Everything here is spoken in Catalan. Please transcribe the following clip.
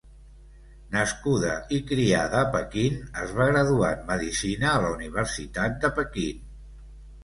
Nascuda i criada a Pequín, es va graduar en medicina a la Universitat de Pequín.